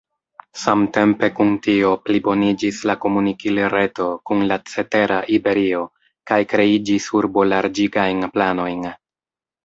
Samtempe kun tio pliboniĝis la komunikil-reto kun la cetera Iberio kaj kreiĝis urbo-larĝigajn planojn.